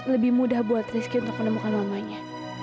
lebih mudah buat rizky untuk menemukan mamanya